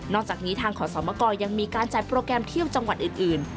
จากนี้ทางขอสมกรยังมีการจัดโปรแกรมเที่ยวจังหวัดอื่น